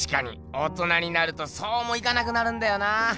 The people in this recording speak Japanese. オトナになるとそうもいかなくなるんだよな。